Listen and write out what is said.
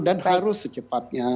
dan harus secepatnya